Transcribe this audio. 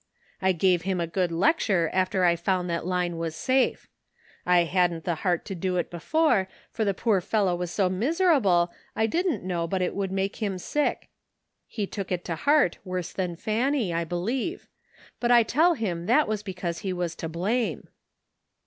I gave him a good lecture after I found that Line was safe. I hadn't the heart to do it before, for the poor fellow was so mis WAITING. 129 erable I didn't know but it would make him sick ; he took it to heart worse than Fanny, I believe, but I tell him that was because be was to blame."